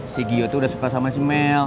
si gio tuh udah suka sama si mel